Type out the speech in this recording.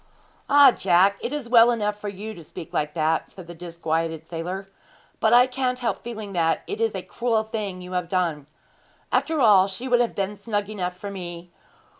'Ah, Jack, it is well enough for you to speak like that,' said the disquieted sailor; 'but I can't help feeling that it is a cruel thing you have done. After all, she would have been snug enough for me.